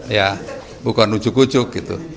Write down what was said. ya bukan ujuk ujuk gitu